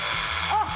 あっ！